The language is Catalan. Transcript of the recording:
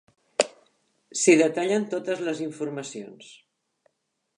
S'hi detallen totes les informacions.